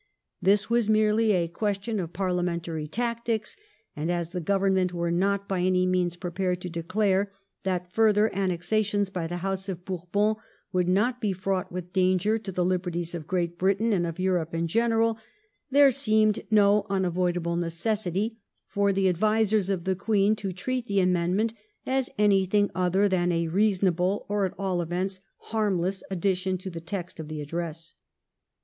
This was merely a question of parlia mentary tactics, and as the Government were not by any means prepared to declare that further annexa tions by the House of Bourbon would not be fraught with danger to the liberties of Great Britain and of Europe in general, there seemed no unavoidable necessity for the advisers of the Queen to treat the amendment as anything other than a reasonable, or at all events harmless, addition to the text of the Address.